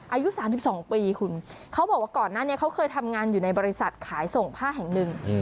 อายุ๓๒ปีคุณเขาบอกว่าก่อนหน้านี้เขาเคยทำงานอยู่ในบริษัทขายส่งผ้าแห่งหนึ่ง